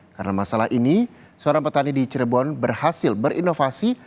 karena masalah ini seorang petani di cirebon berhasil berinovasi